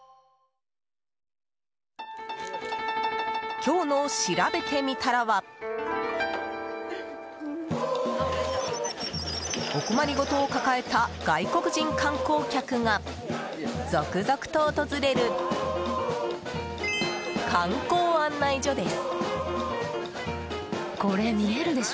今日のしらべてみたらはお困りごとを抱えた外国人観光客が続々と訪れる観光案内所です。